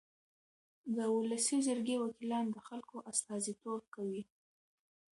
د ولسي جرګې وکیلان د خلکو استازیتوب کوي.